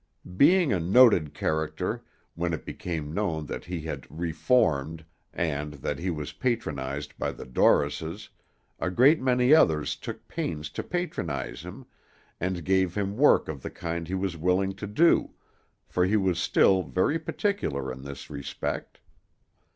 Being a noted character, when it became known that he had "reformed," and that he was patronized by the Dorrises, a great many others took pains to patronize him, and give him work of the kind he was willing to do, for he was still very particular in this respect.